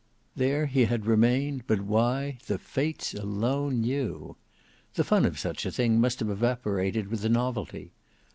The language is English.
There he had remained, but why, the Fates alone knew. The fun of such a thing must have evaporated with the novelty.